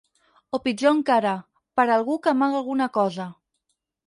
O pitjor encara, per algú que amaga alguna cosa!